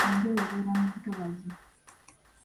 Enjobe ebeera mu ntobazzi.